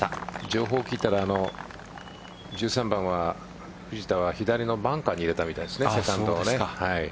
情報聞いたら１３番は藤田は左のバンカーに入れたみたいですね。